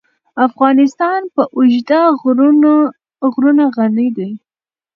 افغانستان په اوږده غرونه غني دی.